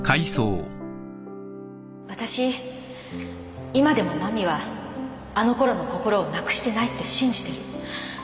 わたし今でも真実はあのころの心をなくしてないって信じてる